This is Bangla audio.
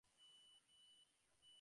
হেলিকপ্টার অবতরণ করতে বলো।